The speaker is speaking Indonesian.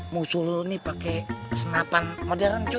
musuh lo ini pakai kesenapan modern tuy